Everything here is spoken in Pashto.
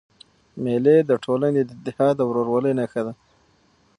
مېلې د ټولني د اتحاد او ورورولۍ نخښه ده.